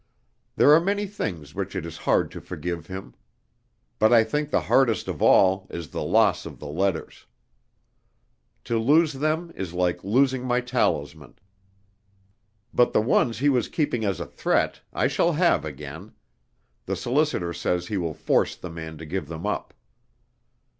"There are many things which it is hard to forgive him, but I think the hardest of all is the loss of the letters. To lose them is like losing my talisman. But the ones he was keeping as a threat, I shall have again. The solicitor says he will force the man to give them up.